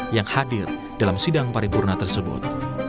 yang hadir dalam sidang paripurna tersebut